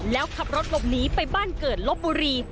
แล้วขับรถหลบหนีไปบ้านเกิดลบบุรี